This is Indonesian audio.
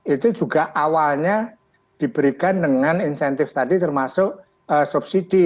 itu juga awalnya diberikan dengan insentif tadi termasuk subsidi